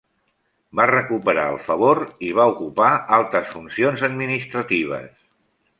Va recuperar el favor i va ocupar altes funcions administratives.